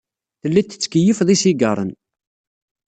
Telliḍ tettkeyyifeḍ isigaṛen.